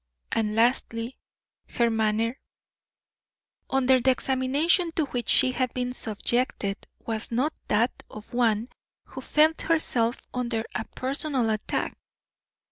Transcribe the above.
And lastly, her manner, under the examination to which she had been subjected, was not that of one who felt herself under a personal attack.